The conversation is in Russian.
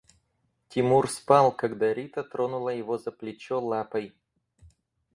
Тимур спал, когда Рита тронула его за плечо лапой.